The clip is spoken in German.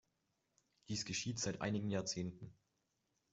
Dies geschieht seit einigen Jahrzehnten.